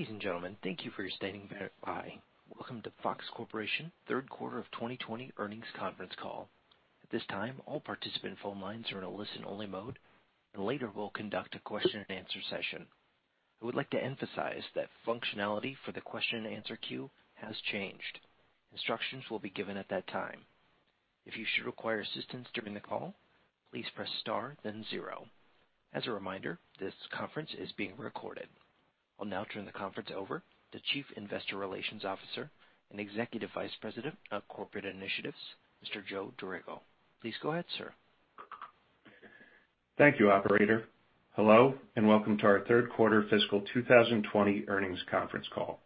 Ladies and gentlemen, thank you for standing by. Welcome to Fox Corporation Third Quarter 2020 Earnings Conference Call. At this time, all participants' phone lines are in a listen-only mode, and later we'll conduct a question-and-answer session. I would like to emphasize that functionality for the question-and-answer queue has changed. Instructions will be given at that time. If you should require assistance during the call, please press star, then zero. As a reminder, this conference is being recorded. I'll now turn the conference over to Chief Investor Relations Officer and Executive Vice President of Corporate Initiatives, Mr. Joe Dorrego. Please go ahead, sir. Thank you, Operator. Hello, and welcome to our Third Quarter Fiscal 2020 Earnings Conference Call.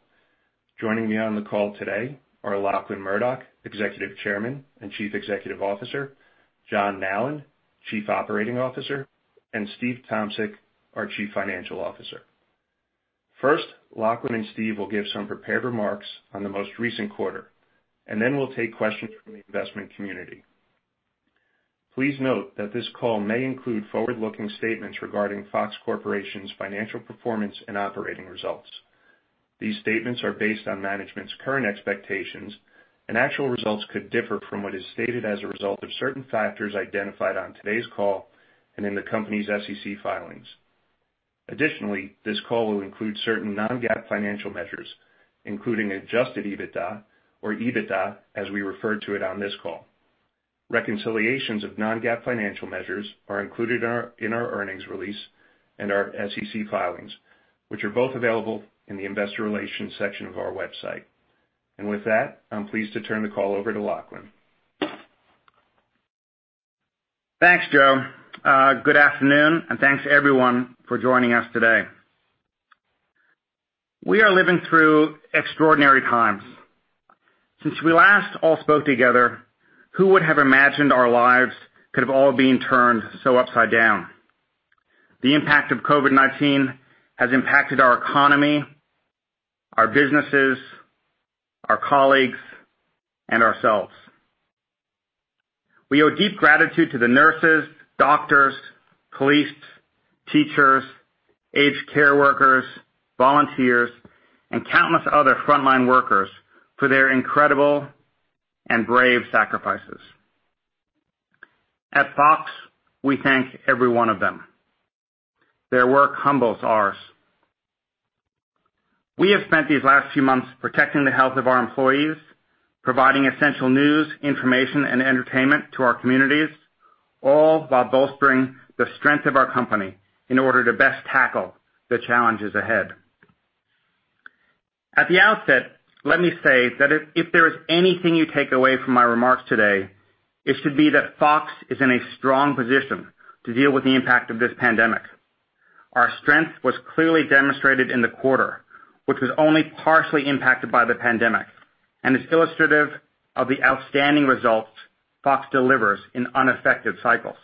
Joining me on the call today are Lachlan Murdoch, Executive Chairman and Chief Executive Officer, John Nallen, Chief Operating Officer, and Steve Tomsic, our Chief Financial Officer. First, Lachlan and Steve will give some prepared remarks on the most recent quarter, and then we'll take questions from the investment community. Please note that this call may include forward-looking statements regarding Fox Corporation's financial performance and operating results. These statements are based on management's current expectations, and actual results could differ from what is stated as a result of certain factors identified on today's call and in the company's SEC filings. Additionally, this call will include certain non-GAAP financial measures, including adjusted EBITDA, or EBITDA as we refer to it on this call. Reconciliations of non-GAAP financial measures are included in our earnings release and our SEC filings, which are both available in the investor relations section of our website. And with that, I'm pleased to turn the call over to Lachlan. Thanks, Joe. Good afternoon, and thanks everyone for joining us today. We are living through extraordinary times. Since we last all spoke together, who would have imagined our lives could have all been turned so upside down? The impact of COVID-19 has impacted our economy, our businesses, our colleagues, and ourselves. We owe deep gratitude to the nurses, doctors, police, teachers, aged care workers, volunteers, and countless other frontline workers for their incredible and brave sacrifices. At Fox, we thank every one of them. Their work humbles ours. We have spent these last few months protecting the health of our employees, providing essential news, information, and entertainment to our communities, all while bolstering the strength of our company in order to best tackle the challenges ahead. At the outset, let me say that if there is anything you take away from my remarks today, it should be that Fox is in a strong position to deal with the impact of this pandemic. Our strength was clearly demonstrated in the quarter, which was only partially impacted by the pandemic, and is illustrative of the outstanding results Fox delivers in unaffected cycles.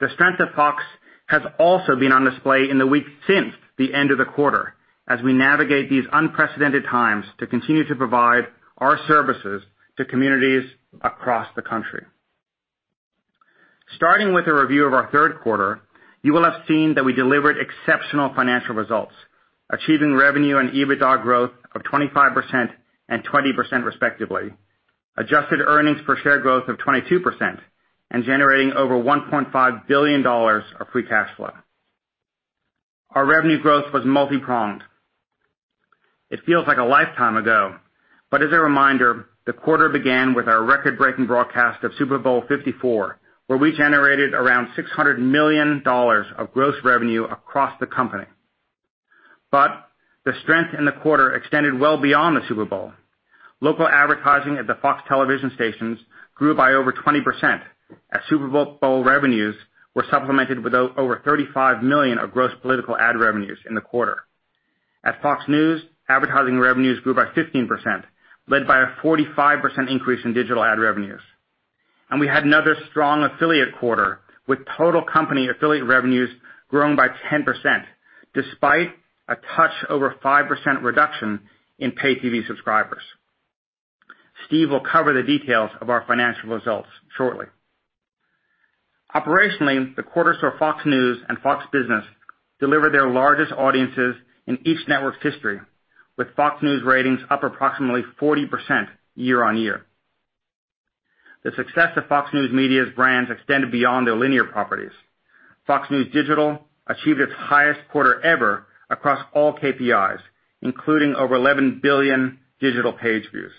The strength of Fox has also been on display in the weeks since the end of the quarter as we navigate these unprecedented times to continue to provide our services to communities across the country. Starting with a review of our third quarter, you will have seen that we delivered exceptional financial results, achieving revenue and EBITDA growth of 25% and 20% respectively, adjusted earnings per share growth of 22%, and generating over $1.5 billion of free cash flow. Our revenue growth was multi-pronged. It feels like a lifetime ago, but as a reminder, the quarter began with our record-breaking broadcast of Super Bowl LIV, where we generated around $600 million of gross revenue across the company. But the strength in the quarter extended well beyond the Super Bowl. Local advertising at the Fox Television Stations grew by over 20% as Super Bowl revenues were supplemented with over $35 million of gross political ad revenues in the quarter. At Fox News, advertising revenues grew by 15%, led by a 45% increase in digital ad revenues. And we had another strong affiliate quarter with total company affiliate revenues growing by 10% despite a touch over 5% reduction in pay-TV subscribers. Steve will cover the details of our financial results shortly. Operationally, the quarters for Fox News and Fox Business delivered their largest audiences in each network's history, with Fox News ratings up approximately 40% year on year. The success of Fox News Media's brands extended beyond their linear properties. Fox News Digital achieved its highest quarter ever across all KPIs, including over 11 billion digital page views.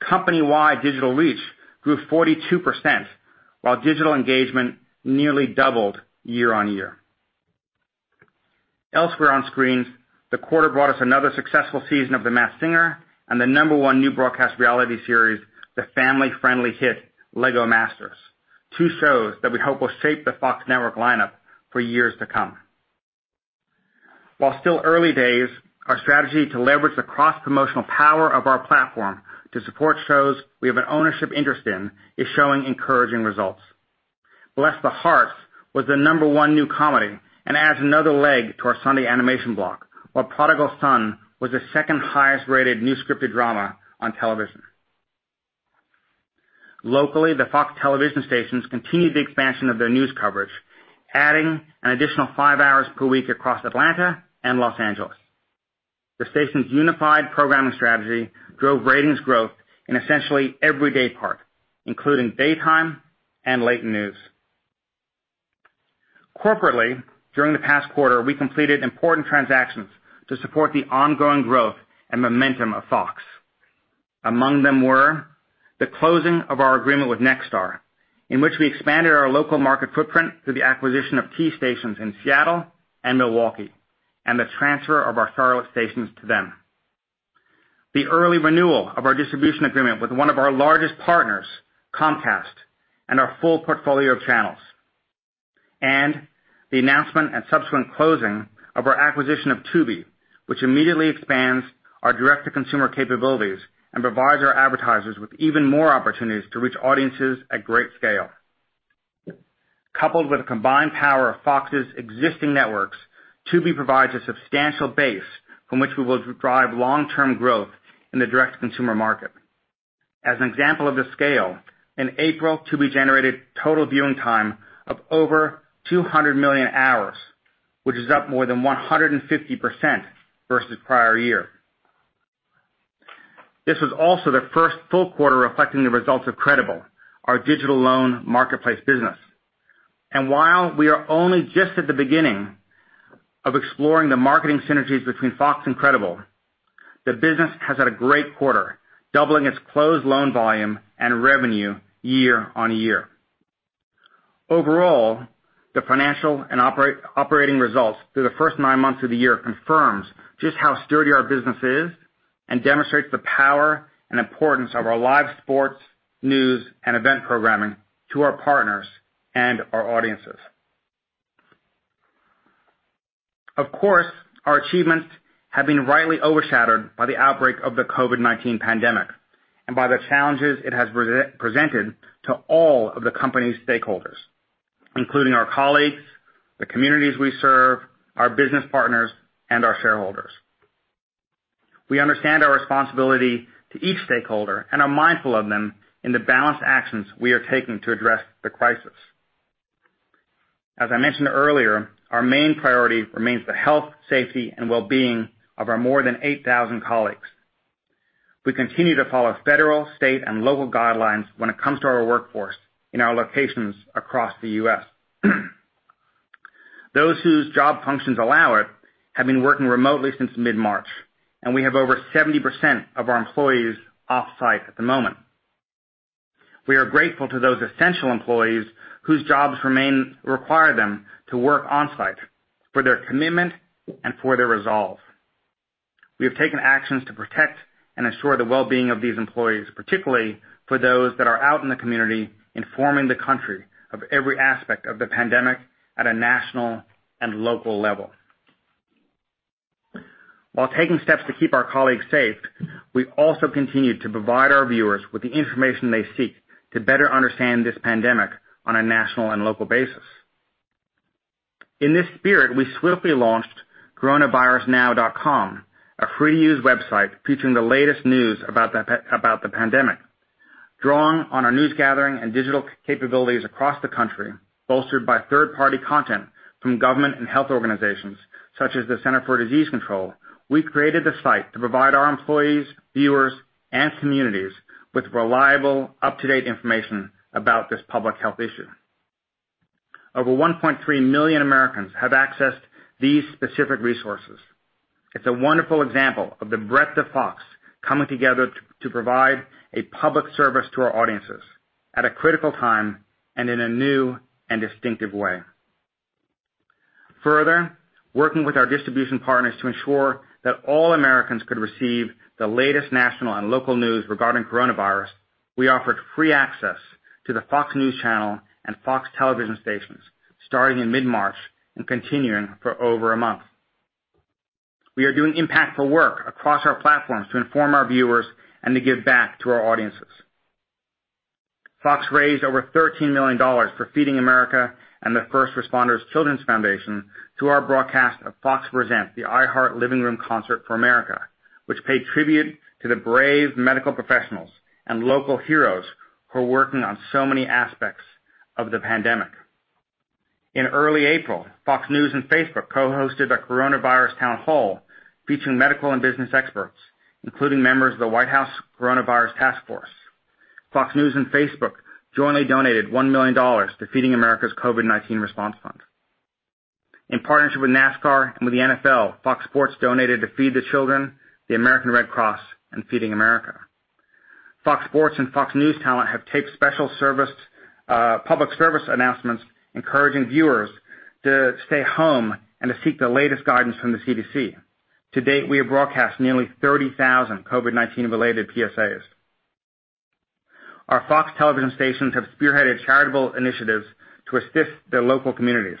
Company-wide digital reach grew 42%, while digital engagement nearly doubled year on year. Elsewhere on screens, the quarter brought us another successful season of The Masked Singer and the number one new broadcast reality series, the family-friendly hit LEGO Masters, two shows that we hope will shape the Fox Network lineup for years to come. While still early days, our strategy to leverage the cross-promotional power of our platform to support shows we have an ownership interest in is showing encouraging results. Bless the Hearts was the number one new comedy and adds another leg to our Sunday animation block, while Prodigal Son was the second highest-rated new scripted drama on television. Locally, the Fox Television Stations continued the expansion of their news coverage, adding an additional five hours per week across Atlanta and Los Angeles. The stations' unified programming strategy drove ratings growth in essentially every day part, including daytime and late news. Corporately, during the past quarter, we completed important transactions to support the ongoing growth and momentum of Fox. Among them were the closing of our agreement with Nexstar, in which we expanded our local market footprint through the acquisition of key stations in Seattle and Milwaukee, and the transfer of our St. Louis stations to them. The early renewal of our distribution agreement with one of our largest partners, Comcast, and our full portfolio of channels. And the announcement and subsequent closing of our acquisition of Tubi, which immediately expands our direct-to-consumer capabilities and provides our advertisers with even more opportunities to reach audiences at great scale. Coupled with the combined power of Fox's existing networks, Tubi provides a substantial base from which we will drive long-term growth in the direct-to-consumer market. As an example of the scale, in April, Tubi generated total viewing time of over 200 million hours, which is up more than 150% versus prior year. This was also the first full quarter reflecting the results of Credible, our digital loan marketplace business. And while we are only just at the beginning of exploring the marketing synergies between Fox and Credible, the business has had a great quarter, doubling its closed loan volume and revenue year on year. Overall, the financial and operating results through the first nine months of the year confirm just how sturdy our business is and demonstrate the power and importance of our live sports, news, and event programming to our partners and our audiences. Of course, our achievements have been rightly overshadowed by the outbreak of the COVID-19 pandemic and by the challenges it has presented to all of the company's stakeholders, including our colleagues, the communities we serve, our business partners, and our shareholders. We understand our responsibility to each stakeholder and are mindful of them in the balanced actions we are taking to address the crisis. As I mentioned earlier, our main priority remains the health, safety, and well-being of our more than 8,000 colleagues. We continue to follow federal, state, and local guidelines when it comes to our workforce in our locations across the U.S. Those whose job functions allow it have been working remotely since mid-March, and we have over 70% of our employees offsite at the moment. We are grateful to those essential employees whose jobs require them to work onsite for their commitment and for their resolve. We have taken actions to protect and ensure the well-being of these employees, particularly for those that are out in the community informing the country of every aspect of the pandemic at a national and local level. While taking steps to keep our colleagues safe, we also continue to provide our viewers with the information they seek to better understand this pandemic on a national and local basis. In this spirit, we swiftly launched Coronavirusnow.com, a free-to-use website featuring the latest news about the pandemic. Drawing on our news gathering and digital capabilities across the country, bolstered by third-party content from government and health organizations such as the Centers for Disease Control and Prevention, we created the site to provide our employees, viewers, and communities with reliable, up-to-date information about this public health issue. Over 1.3 million Americans have accessed these specific resources. It's a wonderful example of the breadth of Fox coming together to provide a public service to our audiences at a critical time and in a new and distinctive way. Further, working with our distribution partners to ensure that all Americans could receive the latest national and local news regarding coronavirus, we offered free access to the Fox News Channel and Fox Television Stations starting in mid-March and continuing for over a month. We are doing impactful work across our platforms to inform our viewers and to give back to our audiences. Fox raised over $13 million for Feeding America and the First Responders Children's Foundation through our broadcast of Fox Presents: The iHeart Living Room Concert for America, which paid tribute to the brave medical professionals and local heroes who are working on so many aspects of the pandemic. In early April, Fox News and Facebook co-hosted a coronavirus town hall featuring medical and business experts, including members of the White House Coronavirus Task Force. Fox News and Facebook jointly donated $1 million to Feeding America's COVID-19 Response Fund. In partnership with NASCAR and with the NFL, Fox Sports donated to Feed the Children, the American Red Cross, and Feeding America. Fox Sports and Fox News Talent have taped special public service announcements encouraging viewers to stay home and to seek the latest guidance from the CDC. To date, we have broadcast nearly 30,000 COVID-19-related PSAs. Our Fox Television Stations have spearheaded charitable initiatives to assist their local communities,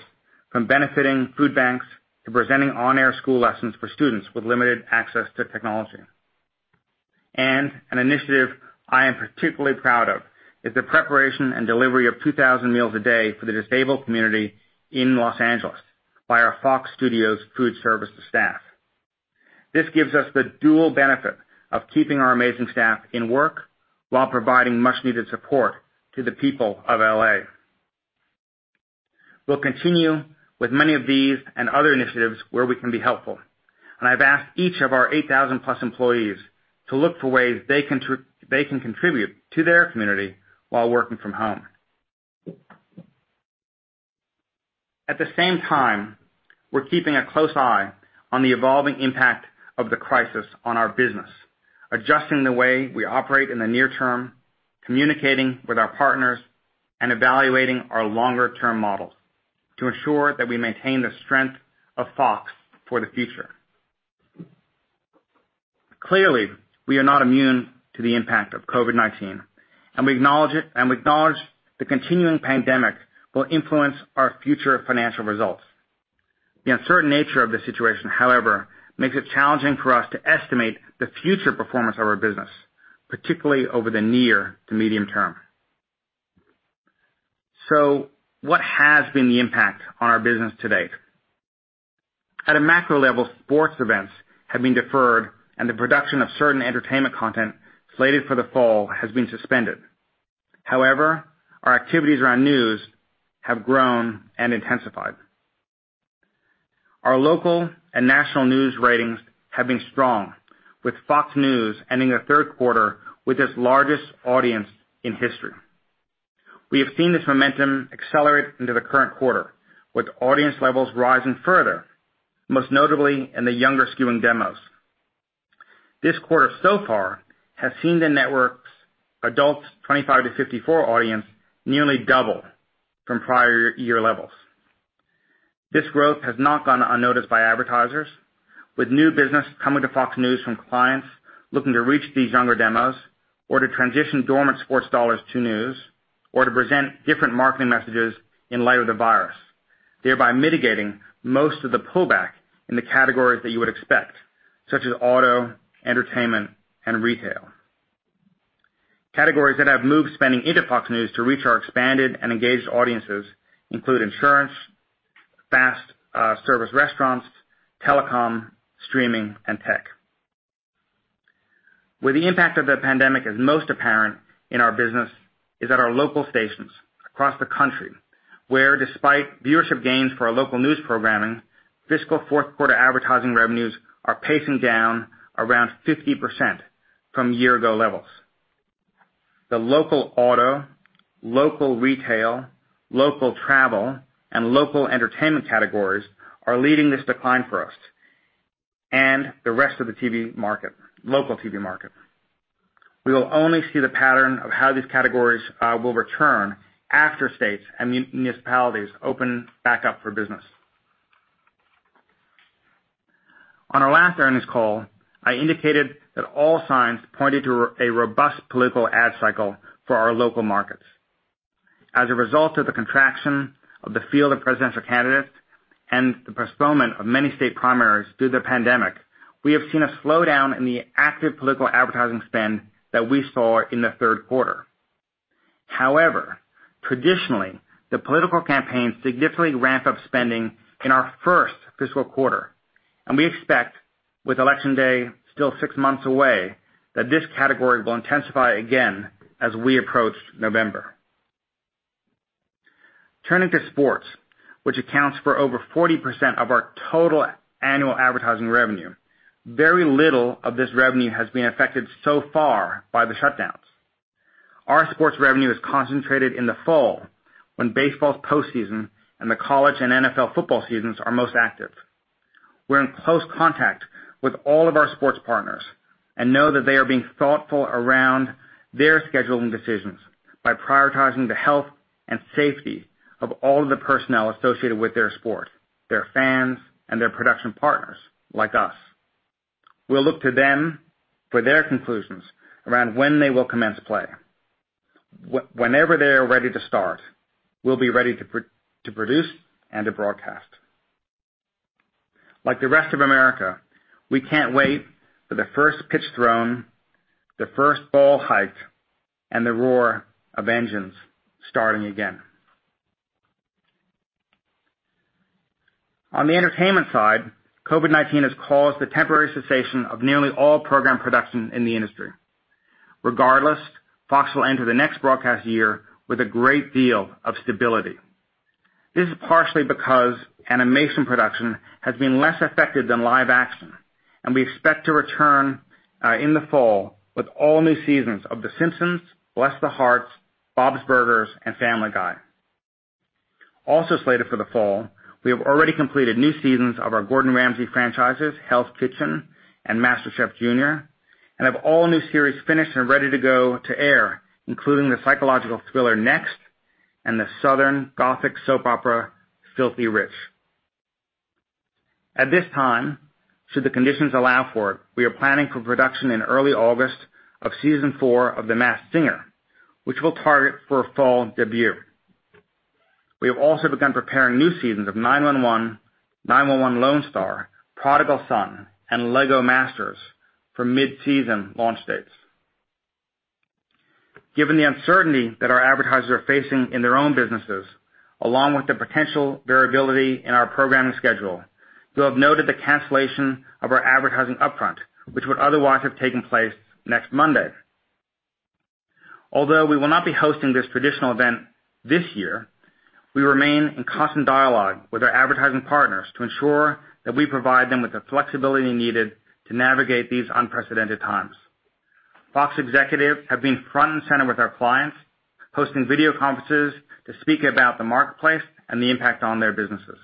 from benefiting food banks to presenting on-air school lessons for students with limited access to technology. And an initiative I am particularly proud of is the preparation and delivery of 2,000 meals a day for the disabled community in Los Angeles by our Fox Studios food service staff. This gives us the dual benefit of keeping our amazing staff in work while providing much-needed support to the people of LA. We'll continue with many of these and other initiatives where we can be helpful. And I've asked each of our 8,000-plus employees to look for ways they can contribute to their community while working from home. At the same time, we're keeping a close eye on the evolving impact of the crisis on our business, adjusting the way we operate in the near term, communicating with our partners, and evaluating our longer-term models to ensure that we maintain the strength of Fox for the future. Clearly, we are not immune to the impact of COVID-19, and we acknowledge the continuing pandemic will influence our future financial results. The uncertain nature of the situation, however, makes it challenging for us to estimate the future performance of our business, particularly over the near to medium term. So what has been the impact on our business to date? At a macro level, sports events have been deferred, and the production of certain entertainment content slated for the fall has been suspended. However, our activities around news have grown and intensified. Our local and national news ratings have been strong, with Fox News ending the third quarter with its largest audience in history. We have seen this momentum accelerate into the current quarter, with audience levels rising further, most notably in the younger-skewing demos. This quarter so far has seen the network's adults 25-54 audience nearly double from prior year levels. This growth has not gone unnoticed by advertisers, with new business coming to Fox News from clients looking to reach these younger demos or to transition dormant sports dollars to news or to present different marketing messages in light of the virus, thereby mitigating most of the pullback in the categories that you would expect, such as auto, entertainment, and retail. Categories that have moved spending into Fox News to reach our expanded and engaged audiences include insurance, fast-service restaurants, telecom, streaming, and tech. Where the impact of the pandemic is most apparent in our business is at our local stations across the country, where, despite viewership gains for our local news programming, fiscal fourth-quarter advertising revenues are pacing down around 50% from year-ago levels. The local auto, local retail, local travel, and local entertainment categories are leading this decline for us and the rest of the local TV market. We will only see the pattern of how these categories will return after states and municipalities open back up for business. On our last earnings call, I indicated that all signs pointed to a robust political ad cycle for our local markets. As a result of the contraction of the field of presidential candidates and the postponement of many state primaries due to the pandemic, we have seen a slowdown in the active political advertising spend that we saw in the third quarter. However, traditionally, the political campaigns significantly ramp up spending in our first fiscal quarter, and we expect, with election day still six months away, that this category will intensify again as we approach November. Turning to sports, which accounts for over 40% of our total annual advertising revenue, very little of this revenue has been affected so far by the shutdowns. Our sports revenue is concentrated in the fall when baseball's postseason and the college and NFL football seasons are most active. We're in close contact with all of our sports partners and know that they are being thoughtful around their scheduling decisions by prioritizing the health and safety of all of the personnel associated with their sport, their fans, and their production partners like us. We'll look to them for their conclusions around when they will commence play. Whenever they are ready to start, we'll be ready to produce and to broadcast. Like the rest of America, we can't wait for the first pitch thrown, the first ball hiked, and the roar of engines starting again. On the entertainment side, COVID-19 has caused the temporary cessation of nearly all program production in the industry. Regardless, Fox will enter the next broadcast year with a great deal of stability. This is partially because animation production has been less affected than live action, and we expect to return in the fall with all new seasons of The Simpsons, Bless the Hearts, Bob's Burgers, and Family Guy. Also slated for the fall, we have already completed new seasons of our Gordon Ramsay franchises, Hell's Kitchen and MasterChef Junior, and have all new series finished and ready to go to air, including the psychological thriller NeXt and the Southern Gothic soap opera Filthy Rich. At this time, should the conditions allow for it, we are planning for production in early August of season four of The Masked Singer, which will target for a fall debut. We have also begun preparing new seasons of 9-1-1, 9-1-1: Lone Star, Prodigal Son, and LEGO Masters for mid-season launch dates. Given the uncertainty that our advertisers are facing in their own businesses, along with the potential variability in our programming schedule, we'll have noted the cancellation of our advertising upfront, which would otherwise have taken place next Monday. Although we will not be hosting this traditional event this year, we remain in constant dialogue with our advertising partners to ensure that we provide them with the flexibility needed to navigate these unprecedented times. Fox executives have been front and center with our clients, hosting video conferences to speak about the marketplace and the impact on their businesses.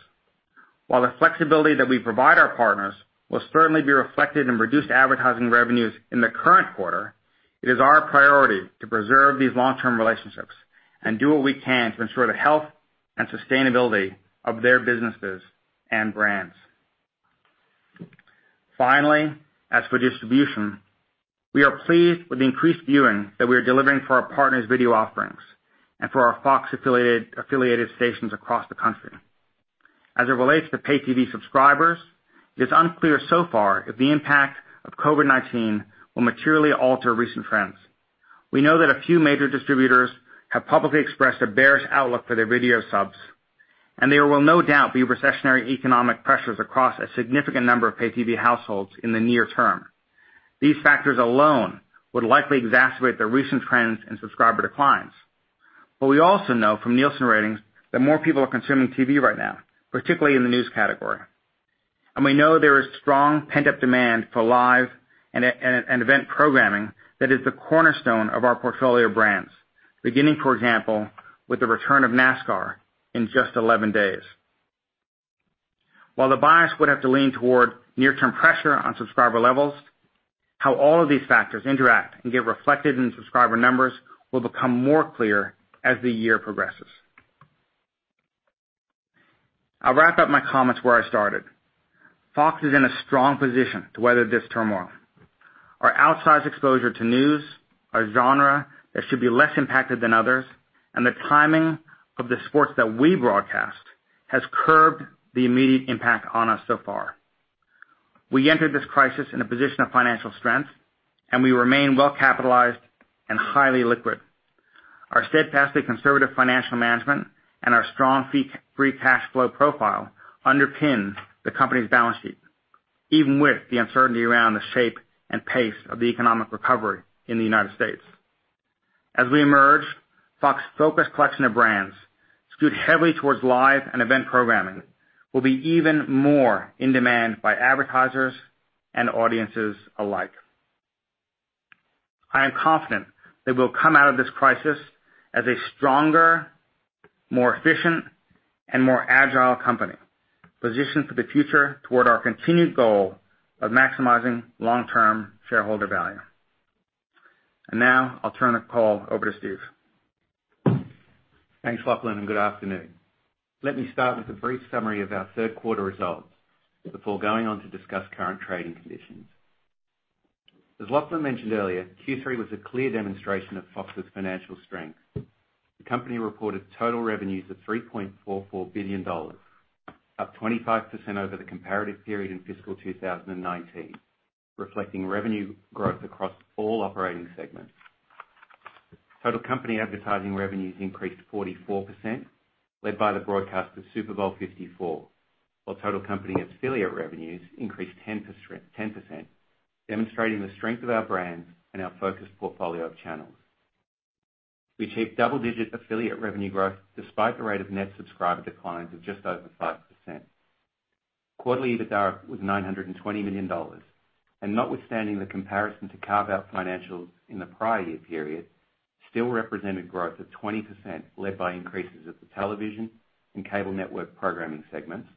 While the flexibility that we provide our partners will certainly be reflected in reduced advertising revenues in the current quarter, it is our priority to preserve these long-term relationships and do what we can to ensure the health and sustainability of their businesses and brands. Finally, as for distribution, we are pleased with the increased viewing that we are delivering for our partners' video offerings and for our Fox-affiliated stations across the country. As it relates to pay-TV subscribers, it is unclear so far if the impact of COVID-19 will materially alter recent trends. We know that a few major distributors have publicly expressed a bearish outlook for their video subs, and there will no doubt be recessionary economic pressures across a significant number of pay-TV households in the near term. These factors alone would likely exacerbate the recent trends in subscriber declines. We also know from Nielsen ratings that more people are consuming TV right now, particularly in the news category. There is strong pent-up demand for live and event programming that is the cornerstone of our portfolio brands, beginning, for example, with the return of NASCAR in just 11 days. While the bias would have to lean toward near-term pressure on subscriber levels, how all of these factors interact and get reflected in subscriber numbers will become more clear as the year progresses. I'll wrap up my comments where I started. Fox is in a strong position to weather this turmoil. Our outsized exposure to news, our genre that should be less impacted than others, and the timing of the sports that we broadcast has curbed the immediate impact on us so far. We entered this crisis in a position of financial strength, and we remain well-capitalized and highly liquid. Our steadfastly conservative financial management and our strong free cash flow profile underpin the company's balance sheet, even with the uncertainty around the shape and pace of the economic recovery in the United States. As we emerge, Fox's focused collection of brands skewed heavily towards live and event programming will be even more in demand by advertisers and audiences alike. I am confident that we'll come out of this crisis as a stronger, more efficient, and more agile company positioned for the future toward our continued goal of maximizing long-term shareholder value. And now I'll turn the call over to Steve. Thanks, Lachlan, and good afternoon. Let me start with a brief summary of our third-quarter results before going on to discuss current trading conditions. As Lachlan mentioned earlier, Q3 was a clear demonstration of Fox's financial strength. The company reported total revenues of $3.44 billion, up 25% over the comparative period in fiscal 2019, reflecting revenue growth across all operating segments. Total company advertising revenues increased 44%, led by the broadcast of Super Bowl LIV, while total company affiliate revenues increased 10%, demonstrating the strength of our brands and our focused portfolio of channels. We achieved double-digit affiliate revenue growth despite the rate of net subscriber declines of just over 5%. Quarterly EBITDA was $920 million, and notwithstanding the comparison to carve-out financials in the prior year period, still represented growth of 20%, led by increases at the television and cable network programming segments,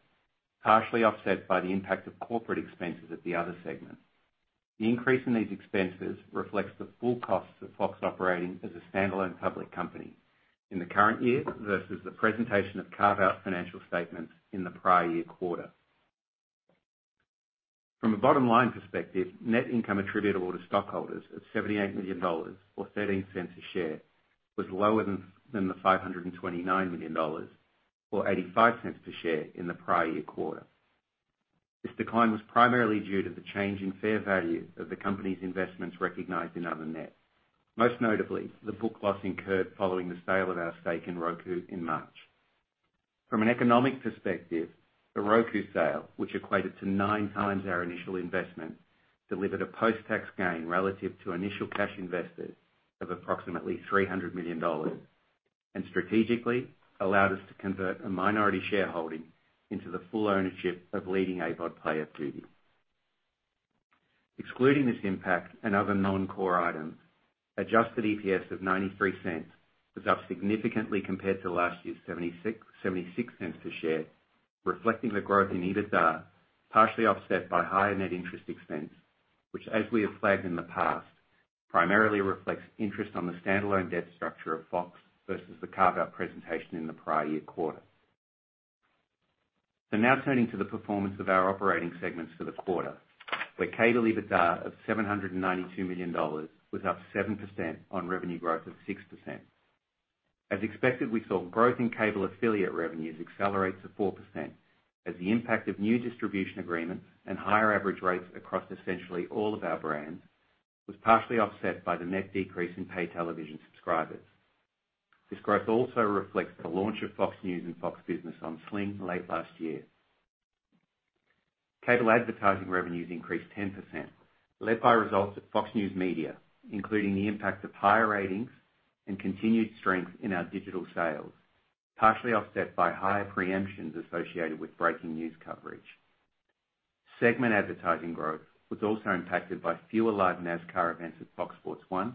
partially offset by the impact of corporate expenses at the other segments. The increase in these expenses reflects the full costs of Fox operating as a standalone public company in the current year versus the presentation of carve-out financial statements in the prior year quarter. From a bottom-line perspective, net income attributable to stockholders of $78 million or $0.13 per share was lower than the $529 million or $0.85 per share in the prior year quarter. This decline was primarily due to the change in fair value of the company's investments recognized in other, net, most notably the book loss incurred following the sale of our stake in Roku in March. From an economic perspective, the Roku sale, which equated to nine times our initial investment, delivered a post-tax gain relative to initial cash invested of approximately $300 million and strategically allowed us to convert a minority shareholding into the full ownership of leading AVOD player Tubi. Excluding this impact and other non-core items, adjusted EPS of $0.93 was up significantly compared to last year's $0.76 per share, reflecting the growth in EBITDA, partially offset by higher net interest expense, which, as we have flagged in the past, primarily reflects interest on the standalone debt structure of Fox versus the carve-out presentation in the prior year quarter. So now turning to the performance of our operating segments for the quarter, where cable EBITDA of $792 million was up 7% on revenue growth of 6%. As expected, we saw growth in cable affiliate revenues accelerate to 4% as the impact of new distribution agreements and higher average rates across essentially all of our brands was partially offset by the net decrease in pay television subscribers. This growth also reflects the launch of Fox News and Fox Business on Sling late last year. Cable advertising revenues increased 10%, led by results of Fox News Media, including the impact of higher ratings and continued strength in our digital sales, partially offset by higher preemptions associated with breaking news coverage. Segment advertising growth was also impacted by fewer live NASCAR events at Fox Sports One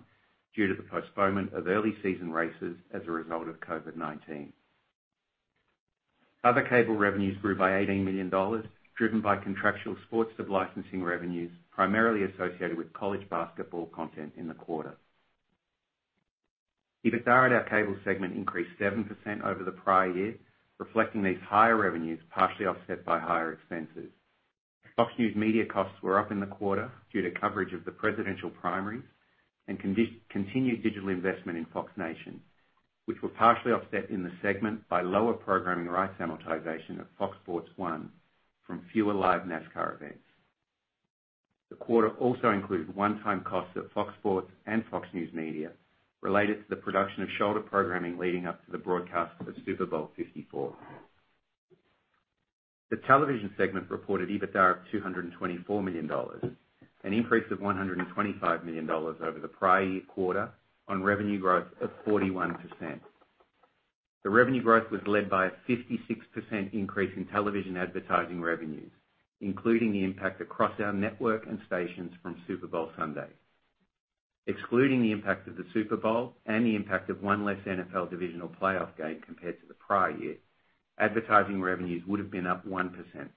due to the postponement of early season races as a result of COVID-19. Other cable revenues grew by $18 million, driven by contractual sports sub-licensing revenues primarily associated with college basketball content in the quarter. EBITDA at our cable segment increased 7% over the prior year, reflecting these higher revenues partially offset by higher expenses. Fox News Media costs were up in the quarter due to coverage of the presidential primaries and continued digital investment in Fox Nation, which were partially offset in the segment by lower programming rights amortization at Fox Sports 1 from fewer live NASCAR events. The quarter also included one-time costs at Fox Sports and Fox News Media related to the production of shoulder programming leading up to the broadcast of Super Bowl LIV. The television segment reported EBITDA of $224 million, an increase of $125 million over the prior year quarter on revenue growth of 41%. The revenue growth was led by a 56% increase in television advertising revenues, including the impact across our network and stations from Super Bowl Sunday. Excluding the impact of the Super Bowl and the impact of one less NFL divisional playoff game compared to the prior year, advertising revenues would have been up 1%,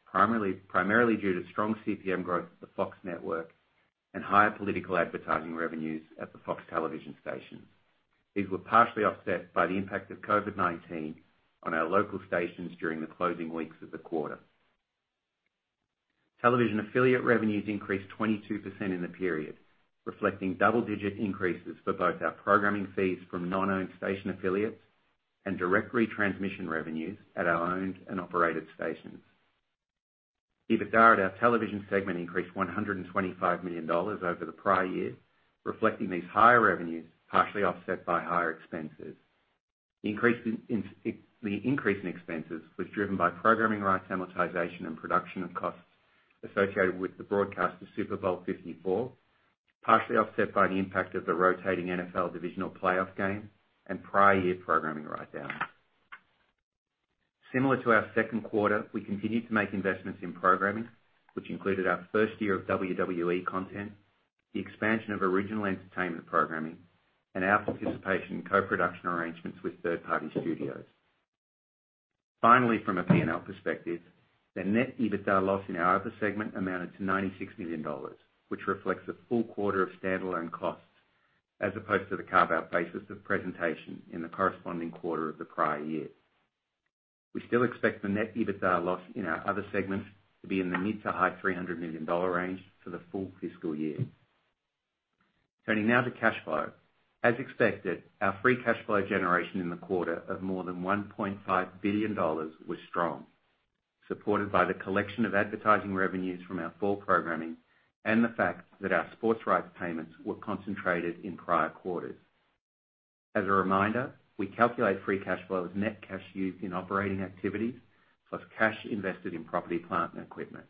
primarily due to strong CPM growth at the Fox Network and higher political advertising revenues at the Fox Television Stations. These were partially offset by the impact of COVID-19 on our local stations during the closing weeks of the quarter. Television affiliate revenues increased 22% in the period, reflecting double-digit increases for both our programming fees from non-owned station affiliates and direct retransmission revenues at our owned and operated stations. EBITDA at our television segment increased $125 million over the prior year, reflecting these higher revenues partially offset by higher expenses. The increase in expenses was driven by programming rights amortization and production costs associated with the broadcast of Super Bowl LIV, partially offset by the impact of the rotating NFL divisional playoff game and prior year programming rights hours. Similar to our second quarter, we continued to make investments in programming, which included our first year of WWE content, the expansion of original entertainment programming, and our participation in co-production arrangements with third-party studios. Finally, from a P&L perspective, the net EBITDA loss in our other segment amounted to $96 million, which reflects a full quarter of standalone costs as opposed to the carve-out basis of presentation in the corresponding quarter of the prior year. We still expect the net EBITDA loss in our other segments to be in the mid- to high-$300 million range for the full fiscal year. Turning now to cash flow, as expected, our free cash flow generation in the quarter of more than $1.5 billion was strong, supported by the collection of advertising revenues from our full programming and the fact that our sports rights payments were concentrated in prior quarters. As a reminder, we calculate free cash flow as net cash used in operating activities plus cash invested in property, plant, and equipment.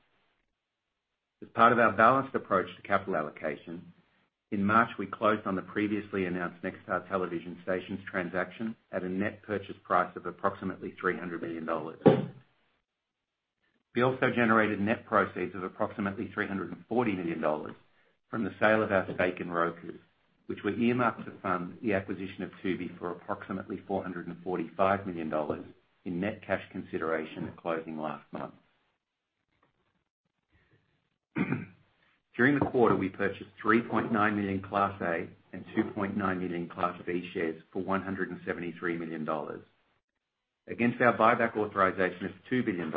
As part of our balanced approach to capital allocation, in March, we closed on the previously announced Nexstar television stations transaction at a net purchase price of approximately $300 million. We also generated net proceeds of approximately $340 million from the sale of our stake in Roku, which were earmarked to fund the acquisition of Tubi for approximately $445 million in net cash consideration at closing last month. During the quarter, we purchased 3.9 million Class A and 2.9 million Class B shares for $173 million. Against our buyback authorization of $2 billion,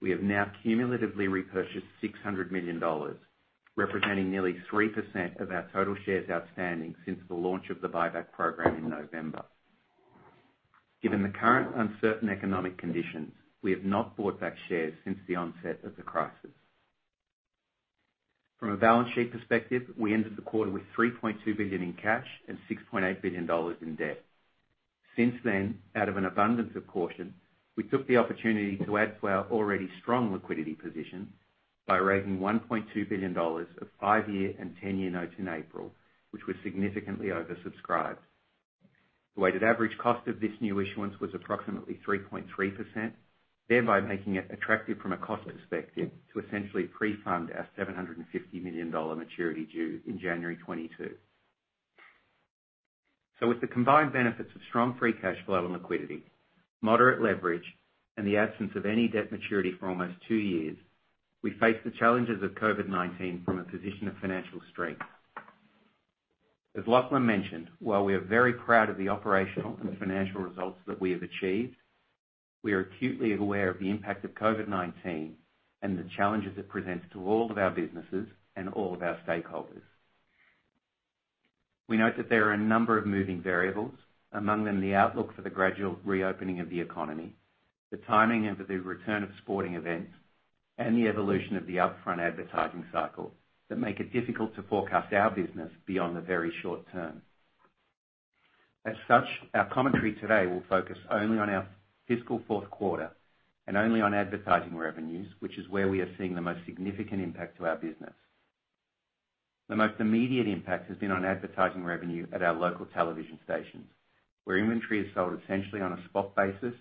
we have now cumulatively repurchased $600 million, representing nearly 3% of our total shares outstanding since the launch of the buyback program in November. Given the current uncertain economic conditions, we have not bought back shares since the onset of the crisis. From a balance sheet perspective, we ended the quarter with $3.2 billion in cash and $6.8 billion in debt. Since then, out of an abundance of caution, we took the opportunity to add to our already strong liquidity position by raising $1.2 billion of five-year and ten-year notes in April, which were significantly oversubscribed. The weighted average cost of this new issuance was approximately 3.3%, thereby making it attractive from a cost perspective to essentially pre-fund our $750 million maturity due in January 2022. So, with the combined benefits of strong free cash flow and liquidity, moderate leverage, and the absence of any debt maturity for almost two years, we faced the challenges of COVID-19 from a position of financial strength. As Lachlan mentioned, while we are very proud of the operational and financial results that we have achieved, we are acutely aware of the impact of COVID-19 and the challenges it presents to all of our businesses and all of our stakeholders. We note that there are a number of moving variables, among them the outlook for the gradual reopening of the economy, the timing of the return of sporting events, and the evolution of the upfront advertising cycle that make it difficult to forecast our business beyond the very short term. As such, our commentary today will focus only on our fiscal fourth quarter and only on advertising revenues, which is where we are seeing the most significant impact to our business. The most immediate impact has been on advertising revenue at our local television stations, where inventory is sold essentially on a spot basis,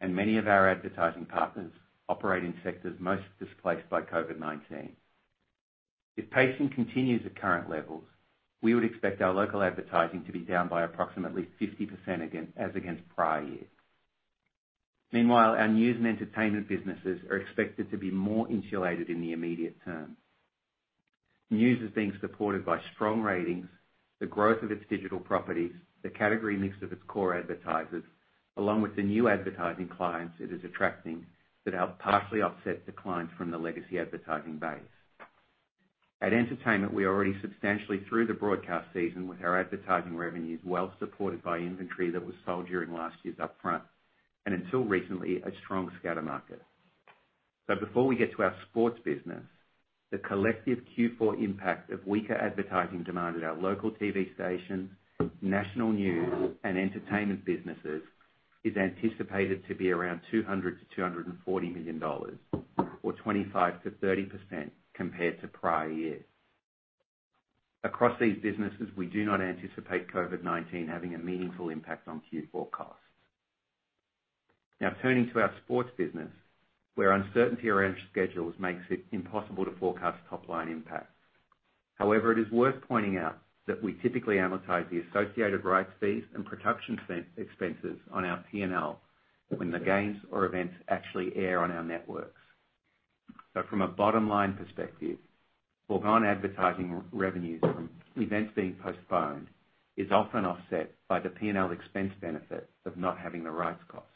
and many of our advertising partners operate in sectors most displaced by COVID-19. If pacing continues at current levels, we would expect our local advertising to be down by approximately 50% as against prior years. Meanwhile, our news and entertainment businesses are expected to be more insulated in the immediate term. News is being supported by strong ratings, the growth of its digital properties, the category mix of its core advertisers, along with the new advertising clients it is attracting that help partially offset declines from the legacy advertising base. At entertainment, we already substantially through the broadcast season with our advertising revenues well supported by inventory that was sold during last year's upfront and until recently a strong scatter market. So, before we get to our sports business, the collective Q4 impact of weaker advertising demand at our local TV stations, national news, and entertainment businesses is anticipated to be around $200-$240 million, or 25%-30% compared to prior year. Across these businesses, we do not anticipate COVID-19 having a meaningful impact on Q4 costs. Now, turning to our sports business, where uncertainty around schedules makes it impossible to forecast top-line impacts. However, it is worth pointing out that we typically amortize the associated rights fees and production expenses on our P&L when the games or events actually air on our networks. So, from a bottom-line perspective, foregone advertising revenues from events being postponed is often offset by the P&L expense benefit of not having the rights costs.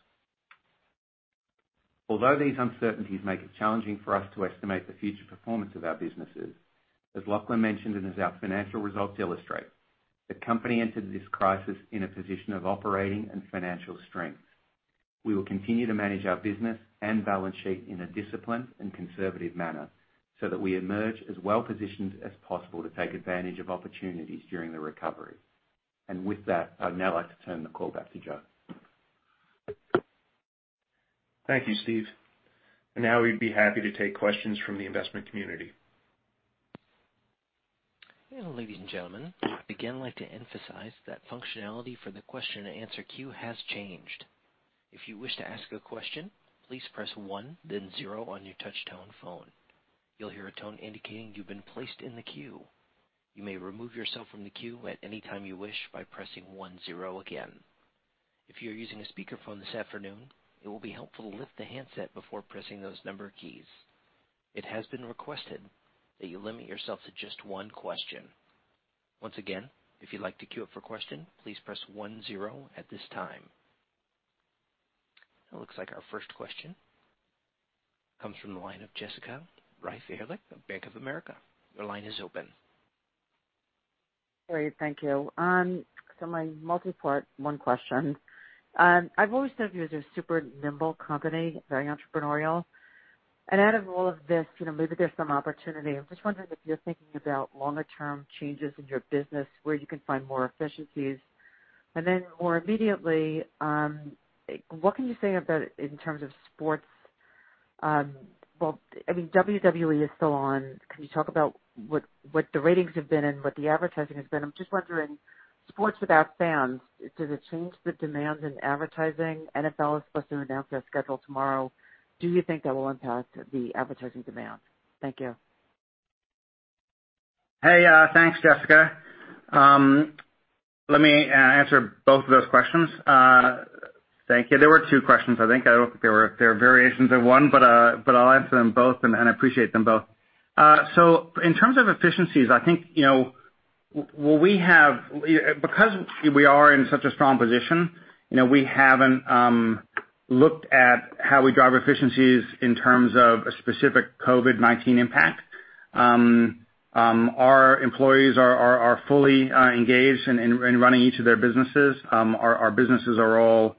Although these uncertainties make it challenging for us to estimate the future performance of our businesses, as Lachlan mentioned and as our financial results illustrate, the company entered this crisis in a position of operating and financial strength. We will continue to manage our business and balance sheet in a disciplined and conservative manner so that we emerge as well positioned as possible to take advantage of opportunities during the recovery. With that, I'd now like to turn the call back to Joe. Thank you, Steve. Now we'd be happy to take questions from the investment community. Ladies and gentlemen, I'd again like to emphasize that functionality for the question and answer queue has changed. If you wish to ask a question, please press one, then zero on your touch-tone phone. You'll hear a tone indicating you've been placed in the queue. You may remove yourself from the queue at any time you wish by pressing one, zero again. If you're using a speakerphone this afternoon, it will be helpful to lift the handset before pressing those number keys. It has been requested that you limit yourself to just one question. Once again, if you'd like to queue up for question, please press one, zero at this time. It looks like our first question comes from the line of Jessica Reif Ehrlich of Bank of America. Your line is open. Great. Thank you. So, my multi-part one question. I've always thought of you as a super nimble company, very entrepreneurial. And out of all of this, maybe there's some opportunity. I'm just wondering if you're thinking about longer-term changes in your business where you can find more efficiencies. And then more immediately, what can you say about it in terms of sports? Well, I mean, WWE is still on. Can you talk about what the ratings have been and what the advertising has been? I'm just wondering, sports without fans, does it change the demands in advertising? NFL is supposed to announce their schedule tomorrow. Do you think that will impact the advertising demand? Thank you. Hey, thanks, Jessica. Let me answer both of those questions. Thank you. There were two questions, I think. I don't think there were variations of one, but I'll answer them both and appreciate them both. So, in terms of efficiencies, I think what we have, because we are in such a strong position, we haven't looked at how we drive efficiencies in terms of a specific COVID-19 impact. Our employees are fully engaged in running each of their businesses. Our businesses are all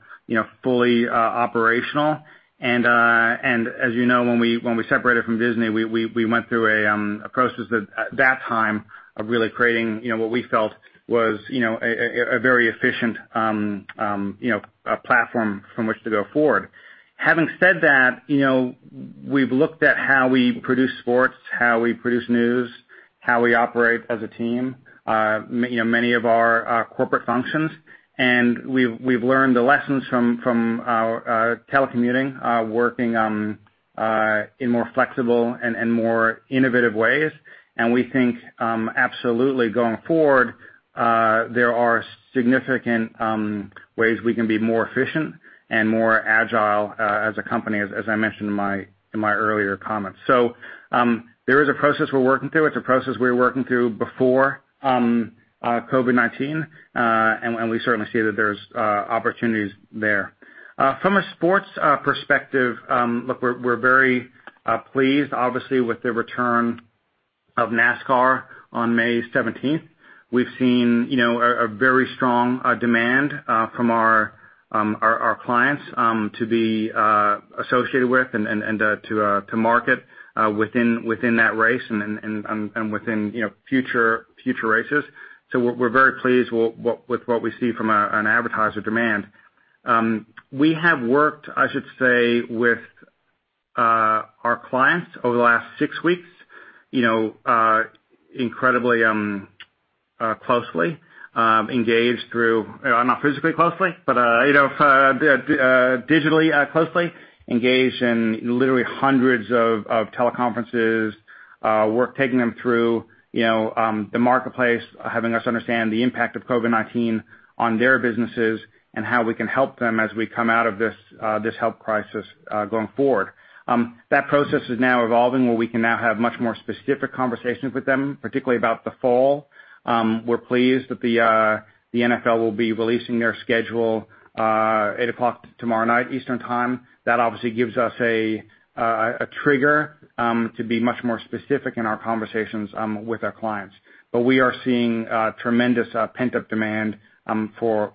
fully operational, and as you know, when we separated from Disney, we went through a process at that time of really creating what we felt was a very efficient platform from which to go forward. Having said that, we've looked at how we produce sports, how we produce news, how we operate as a team, many of our corporate functions. And we've learned the lessons from telecommuting, working in more flexible and more innovative ways. And we think, absolutely, going forward, there are significant ways we can be more efficient and more agile as a company, as I mentioned in my earlier comments. So, there is a process we're working through. It's a process we were working through before COVID-19, and we certainly see that there's opportunities there. From a sports perspective, look, we're very pleased, obviously, with the return of NASCAR on May 17th. We've seen a very strong demand from our clients to be associated with and to market within that race and within future races. So, we're very pleased with what we see from an advertiser demand. We have worked, I should say, with our clients over the last six weeks incredibly closely, engaged through, not physically closely, but digitally closely, engaged in literally hundreds of teleconferences, taking them through the marketplace, having us understand the impact of COVID-19 on their businesses and how we can help them as we come out of this health crisis going forward. That process is now evolving where we can now have much more specific conversations with them, particularly about the fall. We're pleased that the NFL will be releasing their schedule at 8:00 P.M. tomorrow night, Eastern Time. That obviously gives us a trigger to be much more specific in our conversations with our clients. But we are seeing tremendous pent-up demand for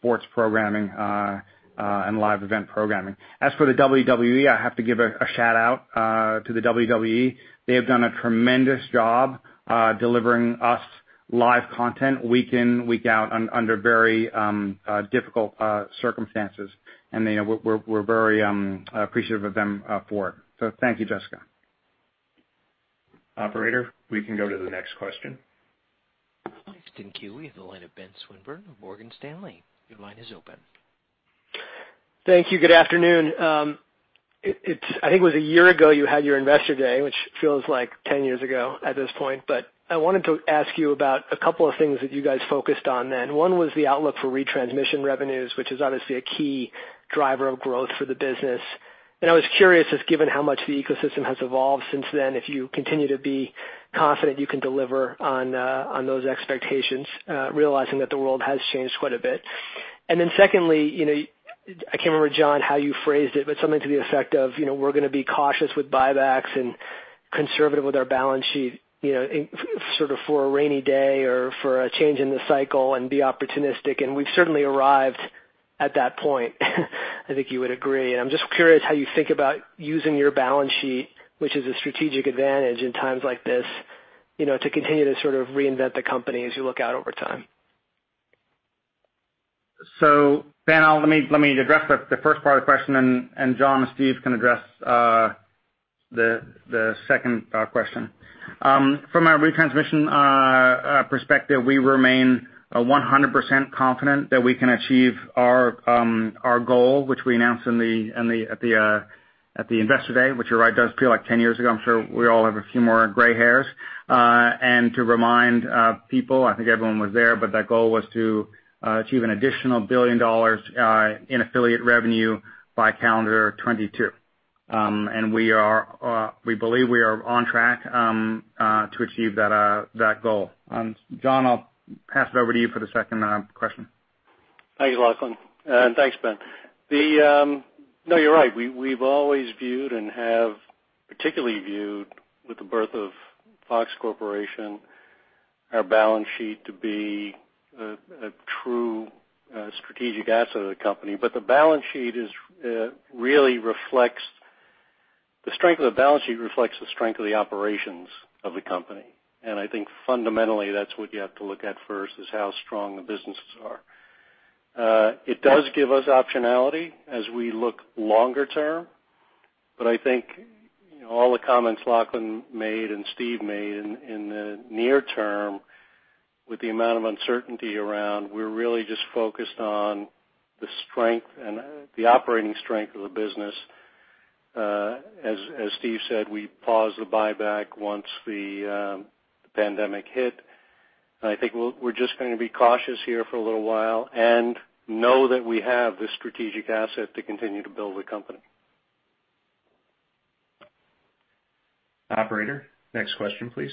sports programming and live event programming. As for the WWE, I have to give a shout-out to the WWE. They have done a tremendous job delivering us live content week in, week out under very difficult circumstances. And we're very appreciative of them for it. So, thank you, Jessica. Operator, we can go to the next question. Thank you. We have the line of Ben Swinburne of Morgan Stanley. Your line is open. Thank you. Good afternoon. I think it was a year ago you had your investor day, which feels like 10 years ago at this point. But I wanted to ask you about a couple of things that you guys focused on then. One was the outlook for retransmission revenues, which is obviously a key driver of growth for the business. And I was curious, just given how much the ecosystem has evolved since then, if you continue to be confident you can deliver on those expectations, realizing that the world has changed quite a bit. And then secondly, I can't remember, John, how you phrased it, but something to the effect of, "We're going to be cautious with buybacks and conservative with our balance sheet sort of for a rainy day or for a change in the cycle and be opportunistic." And we've certainly arrived at that point. I think you would agree, and I'm just curious how you think about using your balance sheet, which is a strategic advantage in times like this, to continue to sort of reinvent the company as you look out over time. Ben, let me address the first part of the question, and John and Steve can address the second question. From our retransmission perspective, we remain 100% confident that we can achieve our goal, which we announced at the investor day, which, you're right, does feel like 10 years ago. I'm sure we all have a few more gray hairs. And to remind people, I think everyone was there, but that goal was to achieve an additional $1 billion in affiliate revenue by calendar 2022. And we believe we are on track to achieve that goal. John, I'll pass it over to you for the second question. Thanks, Lachlan. And thanks, Ben. No, you're right. We've always viewed and have particularly viewed, with the birth of Fox Corporation, our balance sheet to be a true strategic asset of the company. But the balance sheet really reflects the strength of the operations of the company. And I think fundamentally that's what you have to look at first, is how strong the businesses are. It does give us optionality as we look longer term. But I think all the comments Lachlan made and Steve made in the near term, with the amount of uncertainty around, we're really just focused on the strength and the operating strength of the business. As Steve said, we paused the buyback once the pandemic hit. I think we're just going to be cautious here for a little while and know that we have this strategic asset to continue to build the company. Operator, next question, please.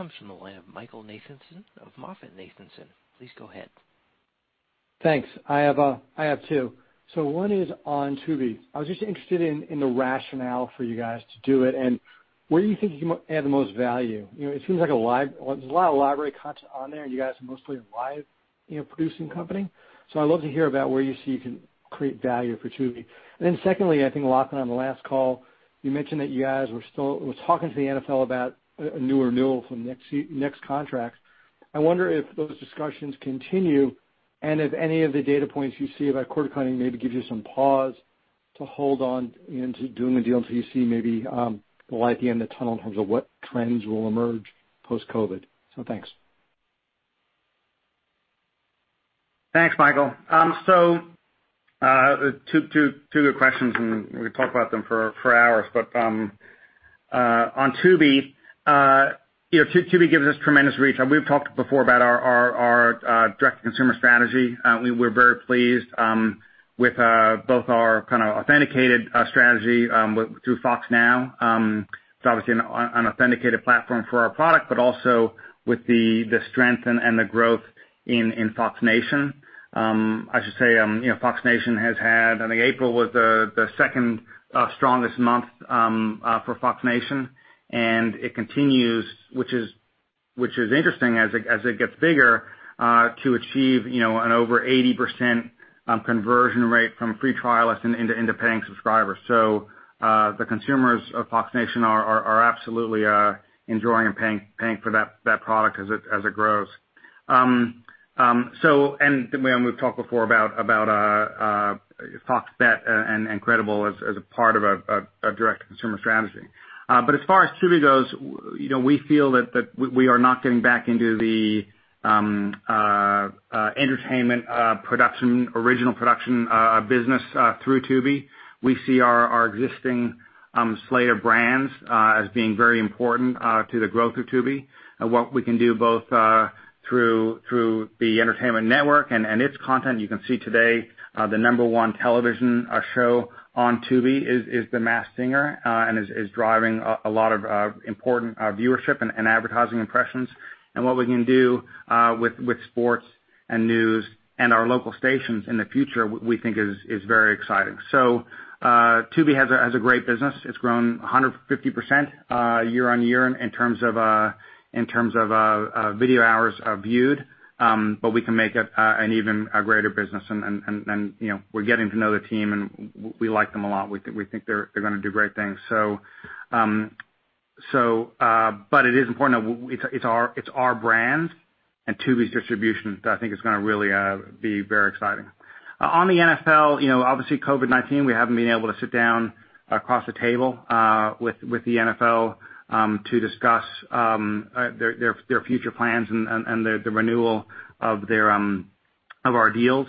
Comes from the line of Michael Nathanson of MoffettNathanson. Please go ahead. Thanks. I have two. So, one is on Tubi. I was just interested in the rationale for you guys to do it and where you think you can add the most value. It seems like there's a lot of library content on there and you guys are mostly a live-producing company. So, I'd love to hear about where you see you can create value for Tubi. And then secondly, I think, Lachlan, on the last call, you mentioned that you guys were talking to the NFL about a new renewal for the next contract. I wonder if those discussions continue and if any of the data points you see about cord cutting maybe give you some pause to hold on to doing a deal until you see maybe the light at the end of the tunnel in terms of what trends will emerge post-COVID. So, thanks. Thanks, Michael. So, two good questions and we could talk about them for hours. But on Tubi, Tubi gives us tremendous reach. We've talked before about our direct-to-consumer strategy. We're very pleased with both our kind of authenticated strategy through Fox Now. It's obviously an authenticated platform for our product, but also with the strength and the growth in Fox Nation. I should say Fox Nation has had. I think April was the second strongest month for Fox Nation, and it continues, which is interesting as it gets bigger, to achieve an over 80% conversion rate from free trialists into paying subscribers. So, the consumers of Fox Nation are absolutely enjoying and paying for that product as it grows, and we've talked before about Fox Bet and Credible as a part of a direct-to-consumer strategy. But as far as Tubi goes, we feel that we are not getting back into the entertainment production, original production business through Tubi. We see our existing slate of brands as being very important to the growth of Tubi and what we can do both through the entertainment network and its content. You can see today the number one television show on Tubi is The Masked Singer and is driving a lot of important viewership and advertising impressions. And what we can do with sports and news and our local stations in the future, we think, is very exciting. So, Tubi has a great business. It's grown 150% year on year in terms of video hours viewed. But we can make an even greater business. And we're getting to know the team and we like them a lot. We think they're going to do great things. So, but it is important that it's our brand and Tubi's distribution that I think is going to really be very exciting. On the NFL, obviously, COVID-19, we haven't been able to sit down across the table with the NFL to discuss their future plans and the renewal of our deals.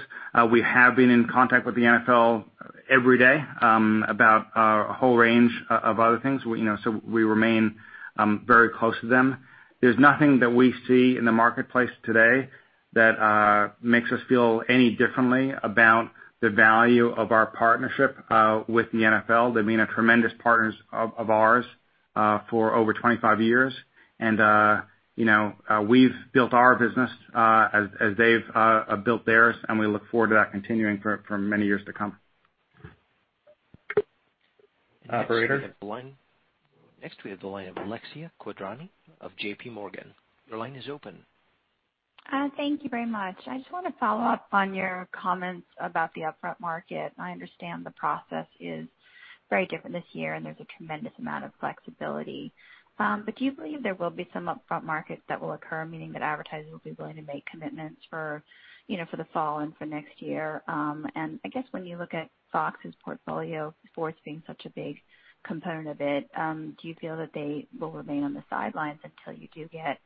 We have been in contact with the NFL every day about a whole range of other things. So, we remain very close to them. There's nothing that we see in the marketplace today that makes us feel any differently about the value of our partnership with the NFL. They've been tremendous partners of ours for over 25 years. And we've built our business as they've built theirs. And we look forward to that continuing for many years to come. Operator. Next, we have the line of Alexia Quadrani of J.P. Morgan. Your line is open. Thank you very much. I just want to follow up on your comments about the upfront market. I understand the process is very different this year and there's a tremendous amount of flexibility. But do you believe there will be some upfront market that will occur, meaning that advertisers will be willing to make commitments for the fall and for next year? And I guess when you look at Fox's portfolio, sports being such a big component of it, do you feel that they will remain on the sidelines until you do get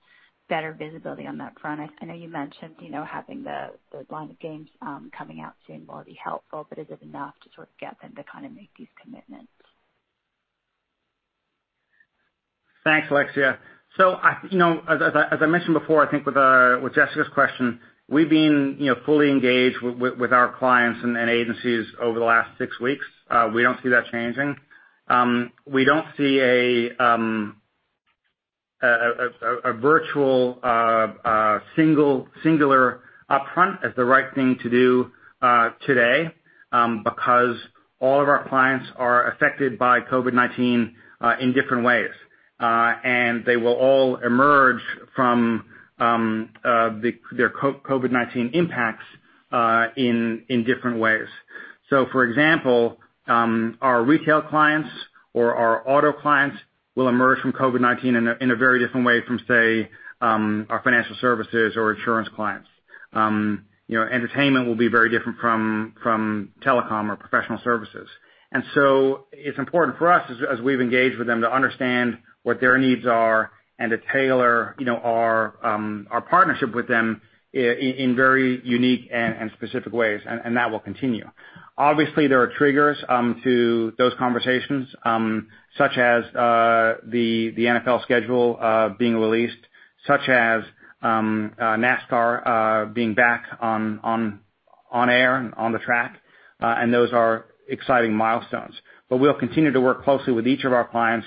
better visibility on that front? I know you mentioned having the lineup of games coming out soon will be helpful, but is it enough to sort of get them to kind of make these commitments? Thanks, Alexia. So, as I mentioned before, I think with Jessica's question, we've been fully engaged with our clients and agencies over the last six weeks. We don't see that changing. We don't see a virtual singular upfront as the right thing to do today because all of our clients are affected by COVID-19 in different ways. And they will all emerge from their COVID-19 impacts in different ways. So, for example, our retail clients or our auto clients will emerge from COVID-19 in a very different way from, say, our financial services or insurance clients. Entertainment will be very different from telecom or professional services. And so, it's important for us, as we've engaged with them, to understand what their needs are and to tailor our partnership with them in very unique and specific ways. And that will continue. Obviously, there are triggers to those conversations, such as the NFL schedule being released, such as NASCAR being back on air and on the track, and those are exciting milestones, but we'll continue to work closely with each of our clients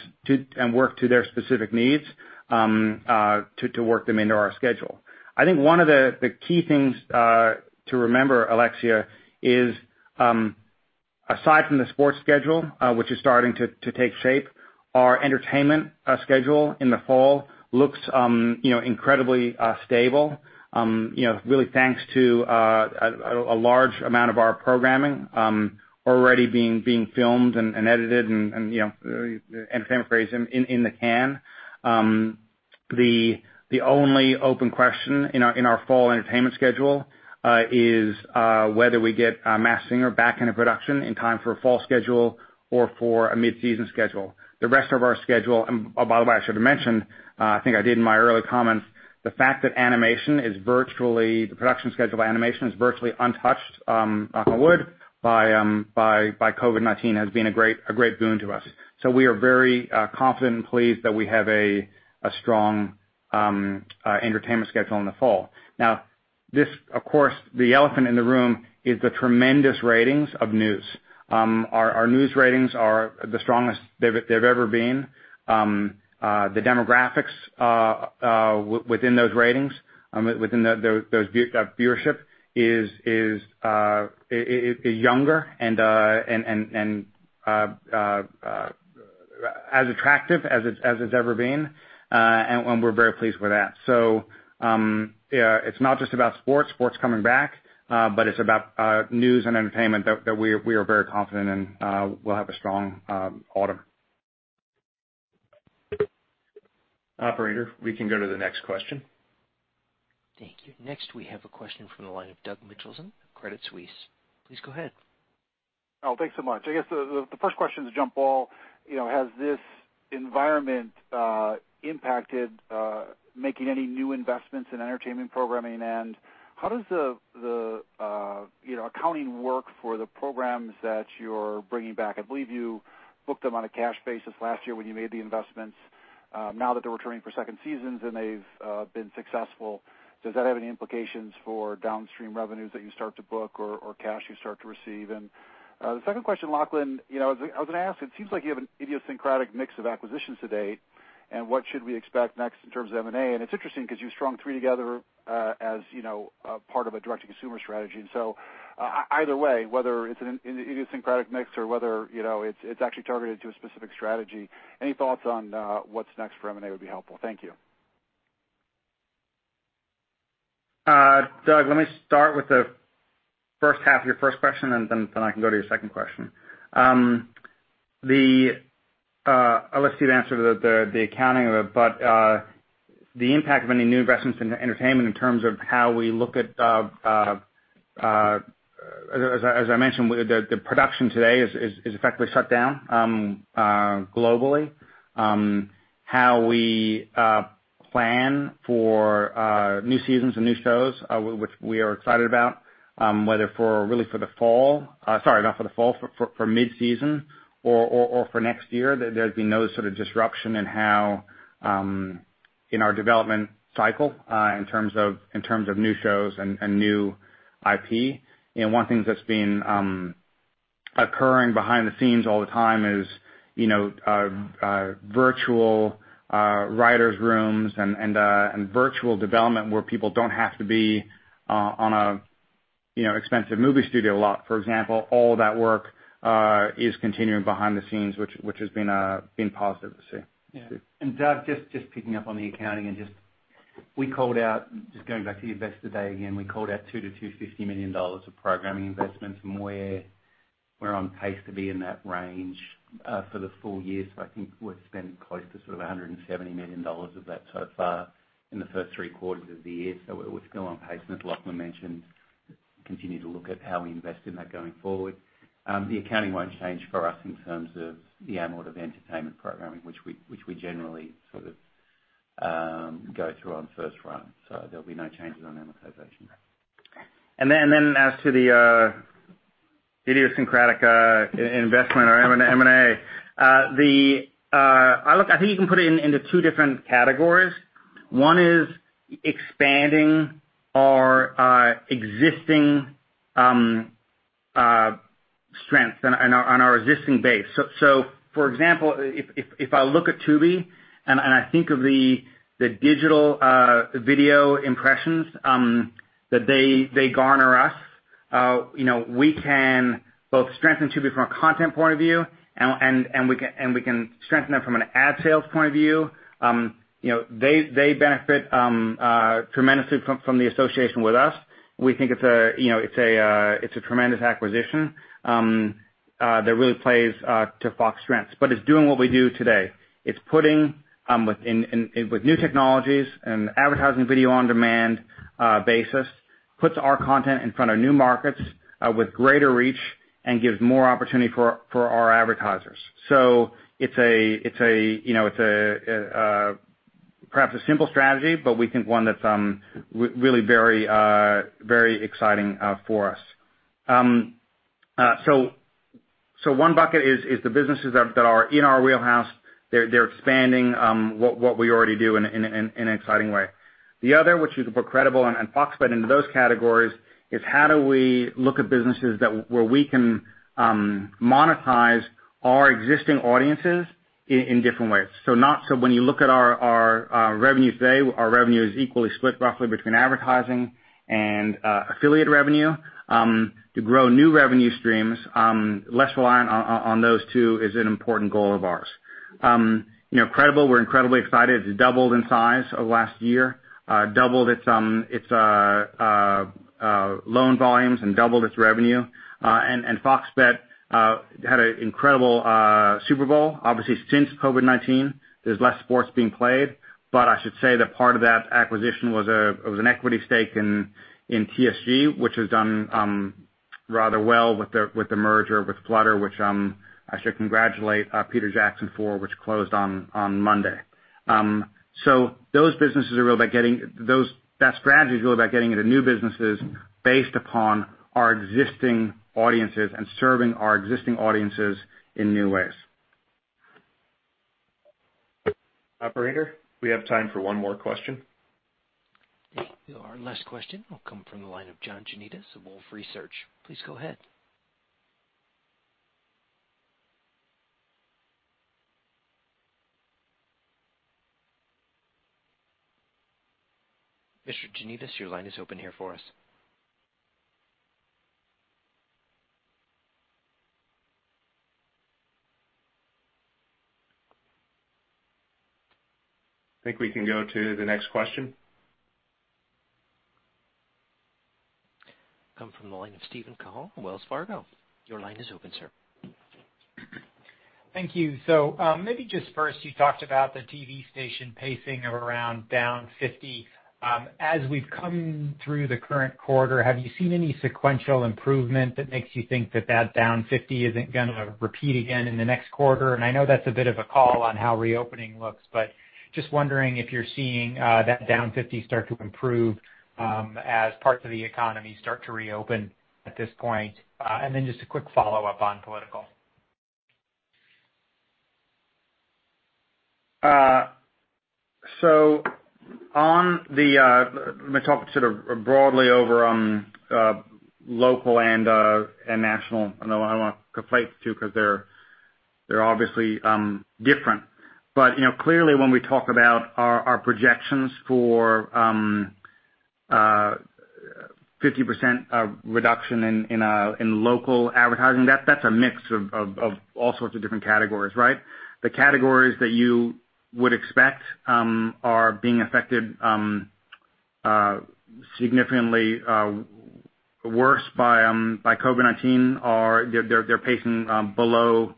and work to their specific needs to work them into our schedule. I think one of the key things to remember, Alexia, is aside from the sports schedule, which is starting to take shape, our entertainment schedule in the fall looks incredibly stable, really thanks to a large amount of our programming already being filmed and edited and entertainment created in the can, the only open question in our fall entertainment schedule is whether we get Masked Singer back into production in time for a fall schedule or for a mid-season schedule. The rest of our schedule, and by the way, I should have mentioned. I think I did in my early comments, the fact that the production schedule for animation is virtually untouched, knock on wood, by COVID-19 has been a great boon to us. So, we are very confident and pleased that we have a strong entertainment schedule in the fall. Now, this, of course, the elephant in the room is the tremendous ratings of news. Our news ratings are the strongest they've ever been. The demographics within those ratings, within those viewership, is younger and as attractive as it's ever been. And we're very pleased with that. So, it's not just about sports, sports coming back, but it's about news and entertainment that we are very confident in will have a strong autumn. Operator, we can go to the next question. Thank you. Next, we have a question from the line of Doug Mitchelson of Credit Suisse. Please go ahead. Oh, thanks so much. I guess the first question is a jump ball. Has this environment impacted making any new investments in entertainment programming? And how does the accounting work for the programs that you're bringing back? I believe you booked them on a cash basis last year when you made the investments. Now that they're returning for second seasons and they've been successful, does that have any implications for downstream revenues that you start to book or cash you start to receive? And the second question, Lachlan, I was going to ask, it seems like you have an idiosyncratic mix of acquisitions to date. And what should we expect next in terms of M&A? And it's interesting because you've strung three together as part of a direct-to-consumer strategy. And so, either way, whether it's an idiosyncratic mix or whether it's actually targeted to a specific strategy, any thoughts on what's next for M&A would be helpful. Thank you. Doug, let me start with the first half of your first question and then I can go to your second question. I'll let Steve answer the accounting of it. But the impact of any new investments in entertainment in terms of how we look at, as I mentioned, the production today is effectively shut down globally. How we plan for new seasons and new shows, which we are excited about, whether really for the fall, sorry, not for the fall, for mid-season or for next year, there's been no sort of disruption in our development cycle in terms of new shows and new IP. And one thing that's been occurring behind the scenes all the time is virtual writers' rooms and virtual development where people don't have to be on an expensive movie studio lot. For example, all that work is continuing behind the scenes, which has been positive to see. Yeah. Doug, just picking up on the accounting and just we called out, just going back to your investor day again, we called out $2 million-$250 million of programming investments and we're on pace to be in that range for the full year. So, I think we're spending close to sort of $170 million of that so far in the first three quarters of the year. So, we're still on pace and, as Lachlan mentioned, continue to look at how we invest in that going forward. The accounting won't change for us in terms of the amount of entertainment programming, which we generally sort of go through on first run. So, there'll be no changes on amortization. And then as to the idiosyncratic investment or M&A, I think you can put it into two different categories. One is expanding our existing strength and our existing base. So, for example, if I look at Tubi and I think of the digital video impressions that they garner us, we can both strengthen Tubi from a content point of view and we can strengthen them from an ad sales point of view. They benefit tremendously from the association with us. We think it's a tremendous acquisition. That really plays to Fox's strengths. But it's doing what we do today. It's putting with new technologies and advertising video on demand basis, puts our content in front of new markets with greater reach and gives more opportunity for our advertisers. So, it's perhaps a simple strategy, but we think one that's really very exciting for us. So, one bucket is the businesses that are in our wheelhouse. They're expanding what we already do in an exciting way. The other, which is Credible and Fox Bet fit into those categories, is how do we look at businesses where we can monetize our existing audiences in different ways. So, when you look at our revenues today, our revenue is equally split roughly between advertising and affiliate revenue. To grow new revenue streams, less reliant on those two is an important goal of ours. Credible, we're incredibly excited. It's doubled in size over the last year. Doubled its loan volumes and doubled its revenue. And Fox Bet had an incredible Super Bowl. Obviously, since COVID-19, there's less sports being played. But I should say that part of that acquisition was an equity stake in TSG, which has done rather well with the merger with Flutter, which I should congratulate Peter Jackson for, which closed on Monday. So, those businesses are really about getting to that strategy, which is really about getting into new businesses based upon our existing audiences and serving our existing audiences in new ways. Operator, we have time for one more question. Our last question will come from the line of John Janedis of Wolfe Research. Please go ahead. Mr. Janedis, your line is open here for us. I think we can go to the next question. comes from the line of Steven Cahall, Wells Fargo. Your line is open, sir. Thank you. So, maybe just first, you talked about the TV station pacing of around down 50%. As we've come through the current quarter, have you seen any sequential improvement that makes you think that that down 50% isn't going to repeat again in the next quarter? And I know that's a bit of a call on how reopening looks, but just wondering if you're seeing that down 50% start to improve as parts of the economy start to reopen at this point. And then just a quick follow-up on political. So, let me talk sort of broadly over local and national. I don't want to conflate the two because they're obviously different. But clearly, when we talk about our projections for 50% reduction in local advertising, that's a mix of all sorts of different categories, right? The categories that you would expect are being affected significantly worse by COVID-19. They're pacing below,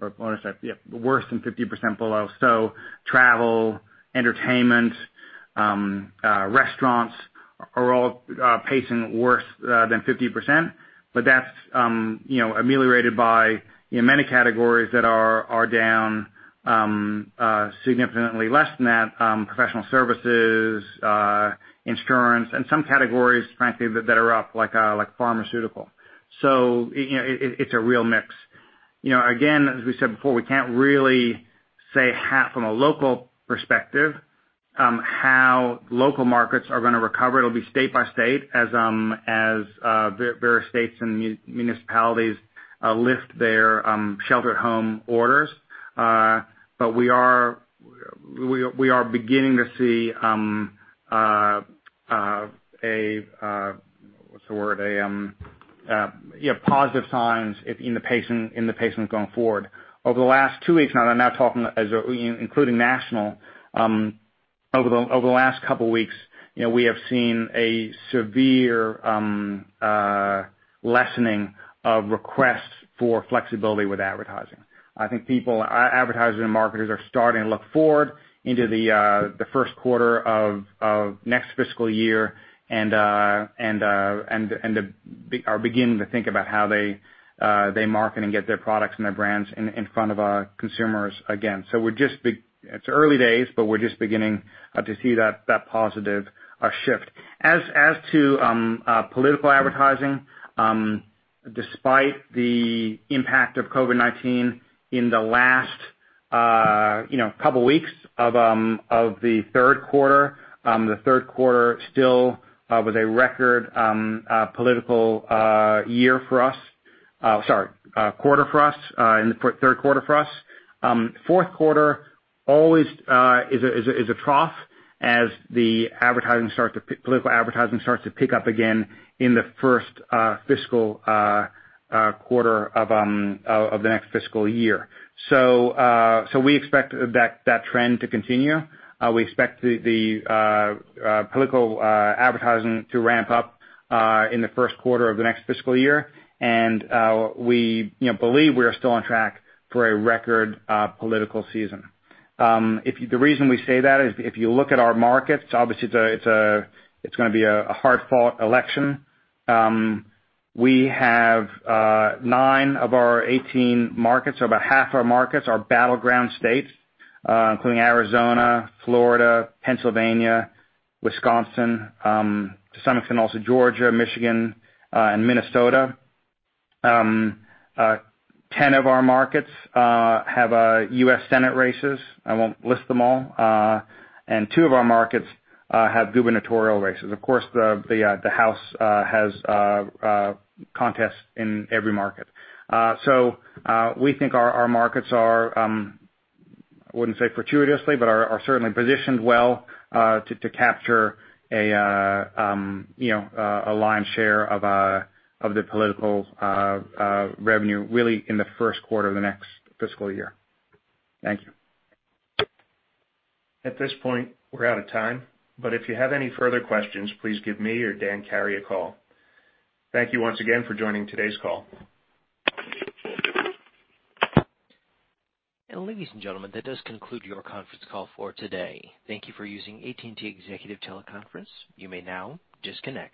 or I want to say, yeah, worse than 50% below. So, it's a real mix. Again, as we said before, we can't really say from a local perspective how local markets are going to recover. It'll be state by state as various states and municipalities lift their shelter-at-home orders. But we are beginning to see a, what's the word, a positive sign in the pacing going forward. Over the last two weeks, and I'm now talking including national, over the last couple of weeks, we have seen a severe lessening of requests for flexibility with advertising. I think advertisers and marketers are starting to look forward into the first quarter of next fiscal year and are beginning to think about how they market and get their products and their brands in front of consumers again. So, it's early days, but we're just beginning to see that positive shift. As to political advertising, despite the impact of COVID-19 in the last couple of weeks of the third quarter, the third quarter still was a record political year for us, sorry, quarter for us, third quarter for us. Fourth quarter always is a trough as the political advertising starts to pick up again in the first fiscal quarter of the next fiscal year. So, we expect that trend to continue. We expect the political advertising to ramp up in the first quarter of the next fiscal year. And we believe we are still on track for a record political season. The reason we say that is if you look at our markets, obviously, it's going to be a hard-fought election. We have nine of our 18 markets, so about half our markets are battleground states, including Arizona, Florida, Pennsylvania, Wisconsin, to some extent also Georgia, Michigan, and Minnesota. 10 of our markets have U.S. Senate races. I won't list them all. And two of our markets have gubernatorial races. Of course, the House has contests in every market. So, we think our markets are. I wouldn't say fortuitously, but are certainly positioned well to capture a lion's share of the political revenue really in the first quarter of the next fiscal year. Thank you. At this point, we're out of time. But if you have any further questions, please give me or Dan Carey a call. Thank you once again for joining today's call. Ladies and gentlemen, that does conclude your conference call for today. Thank you for using AT&T Executive Teleconference. You may now disconnect.